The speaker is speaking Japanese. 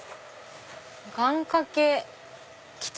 「願かけ狐」。